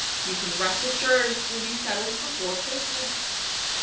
You can rest assured it will be settled before Christmas."